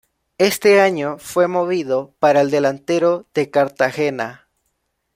Este año fue movido para el delantero de Cartagena.